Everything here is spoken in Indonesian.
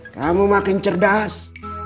kamu makin cerdas